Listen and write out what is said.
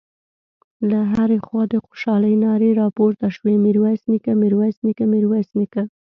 له هرې خوا د خوشالۍ نارې راپورته شوې: ميرويس نيکه، ميرويس نيکه، ميرويس نيکه….